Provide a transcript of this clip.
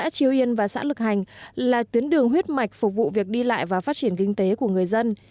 triều yên và xã lực hành là tuyến đường huyết mạch phục vụ việc đi lại và phát triển kinh tế của người dân